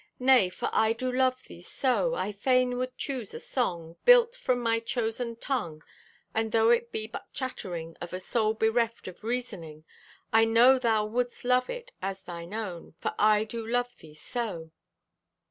Nay, for I do love Thee so, I fain would choose a song Built from my chosen tung, And though it be but chattering Of a soul bereft of reasoning, I know Thou would'st love it as Thine own, For I do love Thee so!"